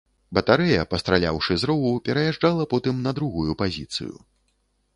Батарэя, пастраляўшы з рову, пераязджала потым на другую пазіцыю.